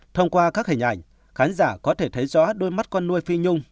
thông qua các hình ảnh khán giả có thể thấy rõ đôi mắt con nuôi phi nhung